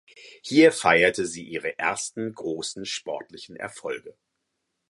Hier feierte sie ihre ersten großen sportlichen Erfolge.